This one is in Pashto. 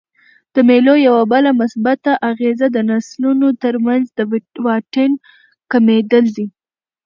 د مېلو یوه بله مثبته اغېزه د نسلونو ترمنځ د واټن کمېدل دي.